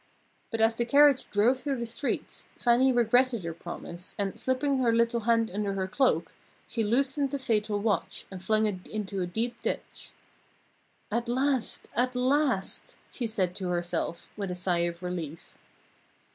But as the carriage drove through the streets, Fannie regretted her promise, and slipping her little hand under her cloak, she loosened the fatal watch, and flung it into a deep ditch. "At last! At last!" she said to herself, with a sigh of relief.